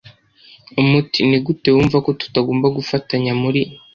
umuti. Ni gute wumva ko tutagomba gufatanya muri